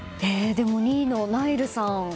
２位のナイルさん。